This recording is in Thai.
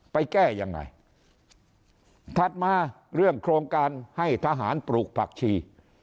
ไปแก้ยังไงถัดมาเรื่องโครงการให้ทหารปลูกผักชี